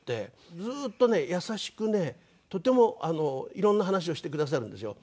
ずっとね優しくねとてもいろんな話をしてくださるんですよ。